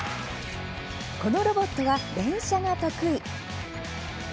このロボットは連射が得意。